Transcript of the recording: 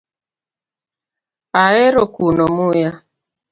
Aero kuno muya.